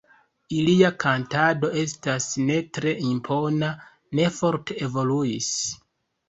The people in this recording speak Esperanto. Ilia kantado estas ne tre impona, ne forte evoluis.